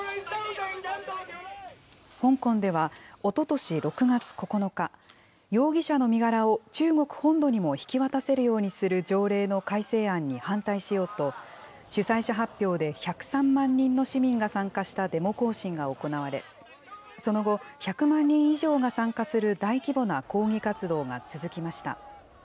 香港ではおととし６月９日、容疑者の身柄を中国本土にも引き渡せるようにする条例の改正案に反対しようと、主催者発表で１０３万人の市民が参加したデモ行進が行われ、その後、１００万人以上が参加する大規模な抗議活動が続きました。